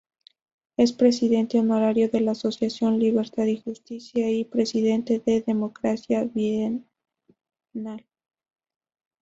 Es presidente honorario de la asociación "Libertad y Justicia" y presidente de "Democracia Bienal".